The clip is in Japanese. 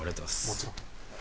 もちろん。